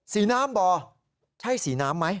สีน้ำบ่อใช่สีน้ำไหม